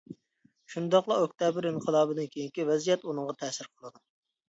شۇنداقلا ئۆكتەبىر ئىنقىلابىدىن كېيىنكى ۋەزىيەت ئۇنىڭغا تەسىر قىلىدۇ.